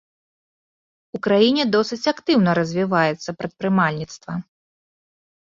У краіне досыць актыўна развіваецца прадпрымальніцтва.